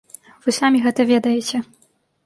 Вы самі гэта ведаеце.